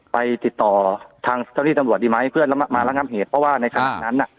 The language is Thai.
ไปติดต่อทางเจ้าที่ตำรวจดีไหมเพื่อมาระงับเหตุเพราะว่าในขณะนั้นน่ะ